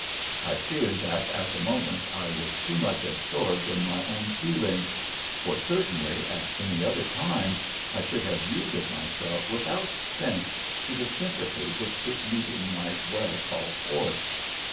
I fear that at the moment I was too much absorbed in my own feelings; for certainly at any other time. I should have yielded myself without stint to the sympathy which this meeting might well call forth.